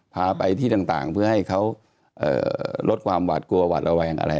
พาไปที่ต่างเพื่อให้เขาลดความหวาดกลัวหวาดระแวงอะไร